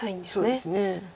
そうですね。